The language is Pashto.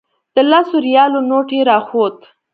د لسو ریالو نوټ یې راښود.